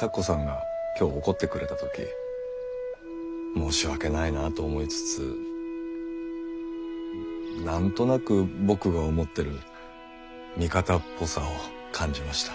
咲子さんが今日怒ってくれた時申し訳ないなと思いつつ何となく僕が思ってる味方っぽさを感じました。